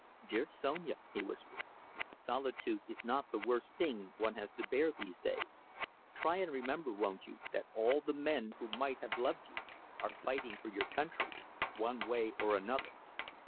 "Dear Sonia," he whispered, "solitude is not the worst thing one has to bear, these days. Try and remember, won't you, that all the men who might have loved you are fighting for your country, one way or another."